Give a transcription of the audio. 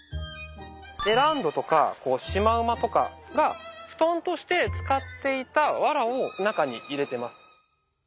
エランドとかシマウマとかが布団として使っていたわらを中に入れています。